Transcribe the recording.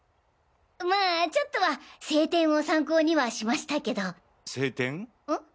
まあちょっとは正典を参考にはしましたけど。